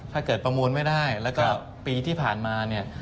ประมูลไม่ได้แล้วก็ปีที่ผ่านมาเนี่ย